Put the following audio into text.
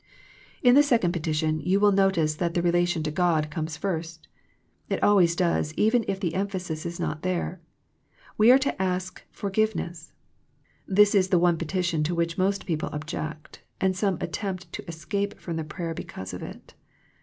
In the second petition will you notice that the relation to God comes first. It always does even if the emphasis is not there. We are to ask for giveness—this is the one petition to which most people object, and some attempt to escape from the prayer because of it.